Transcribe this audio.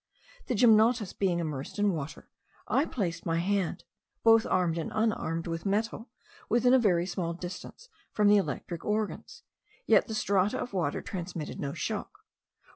The gymnotus being immersed in water, I placed my hand, both armed and unarmed with metal, within a very small distance from the electric organs; yet the strata of water transmitted no shock, while M.